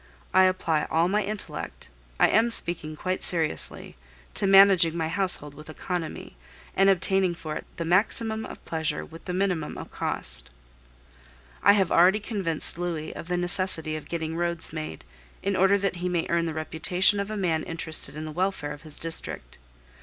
I apply all my intellect (I am speaking quite seriously) to managing my household with economy, and obtaining for it the maximum of pleasure with the minimum of cost. I have already convinced Louis of the necessity of getting roads made, in order that he may earn the reputation of a man interested in the welfare of his district.